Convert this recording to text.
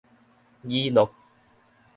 語錄